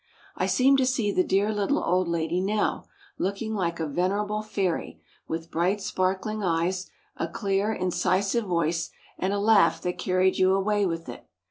] "I seem to see the dear little old lady now, looking like a venerable fairy, with bright sparkling eyes, a clear, incisive voice, and a laugh that carried you away with it.